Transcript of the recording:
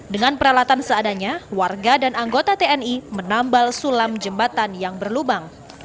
dengan peralatan seadanya warga dan anggota tni menambal sulam jembatan yang berlubang